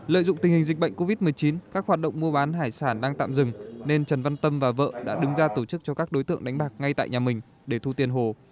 lợi dụng tình hình dịch bệnh covid một mươi chín các hoạt động mua bán hải sản đang tạm dừng nên trần văn tâm và vợ đã đứng ra tổ chức cho các đối tượng đánh bạc ngay tại nhà mình để thu tiền hồ